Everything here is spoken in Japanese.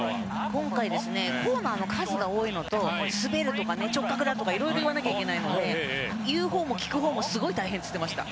今回コーナーの数が多いのと滑るとか直角だとか色々言わなきゃいけないので言うほうも聞くほうもすごい大変って言ってました。